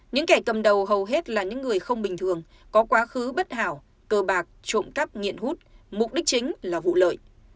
những kẻ cầm đầu hầu hết là những người không bình thường có quá khứ bất hảo cơ bạc trộm cắp nghiện hút mục đích chính là vụ lợi